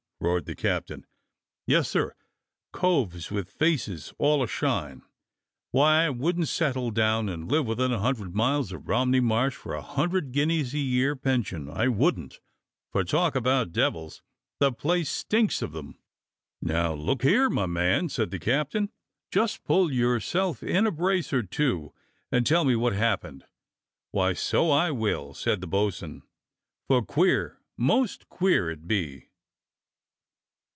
^" roared the captain. "Yes, sir, coves with faces all a shine. Why, I wouldn't settle down and live within a hundred miles of Romney Marsh for a thousand guineas a year pen sion, I wouldn''t; for talk about devils, the place stinks of them!" 138 DOCTOR SYN "Now, look here, my man," said the captain, "just pull yourself in a brace or two and tell me what hap pened." "Why, so I will," said the bo'sun, "for queer, most queer it be."